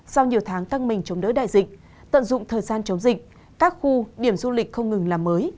sau nhiều tháng căng mình chống đỡ đại dịch tận dụng thời gian chống dịch các khu điểm du lịch không ngừng làm mới